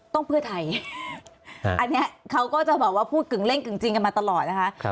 เพื่อไทยอันนี้เขาก็จะบอกว่าพูดกึ่งเล่นกึ่งจริงกันมาตลอดนะคะ